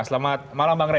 selamat malam bang ray